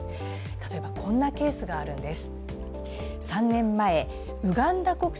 例えばこんなケースがあるんです。